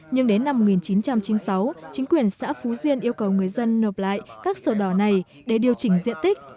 nhưng đến năm một nghìn chín trăm chín mươi sáu chính quyền xã phú diên yêu cầu người dân nộp lại các sổ đỏ này để điều chỉnh diện tích